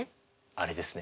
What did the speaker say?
あれですね。